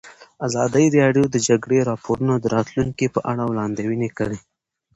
ازادي راډیو د د جګړې راپورونه د راتلونکې په اړه وړاندوینې کړې.